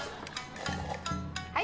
はい。